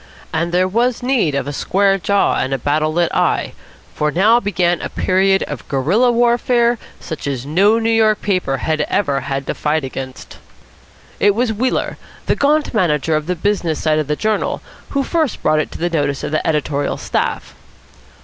And there was need of a square jaw and a battle lit eye, for now began a period of guerilla warfare such as no New York paper had ever had to fight against. It was Wheeler, the gaunt manager of the business side of the journal, who first brought it to the notice of the editorial staff.